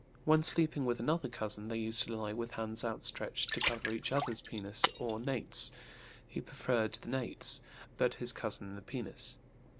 When sleeping with another cousin, they used to lie with hands outstretched to cover each other's penis or nates. He preferred the nates, but his cousin the penis.